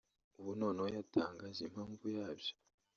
ubu noneho yatangaje impamvu yabyo